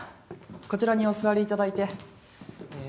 こちらにお座りいただいてええ